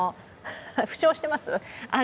負傷してます？